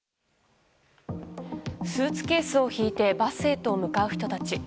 スーツケースを引いてバスへと向かう人たち。